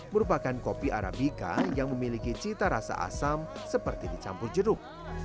merupakan kopi arabica yang memiliki cita rasa asam seperti dicampur jeruk